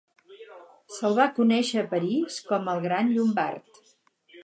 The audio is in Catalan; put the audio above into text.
Se'l va conèixer a París com a "el Gran Llombard".